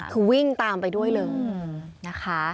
คือวิ่งตามไปด้วยเลย